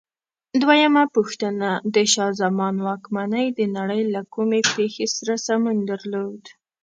دویمه پوښتنه: د شاه زمان واکمنۍ د نړۍ له کومې پېښې سره سمون درلود؟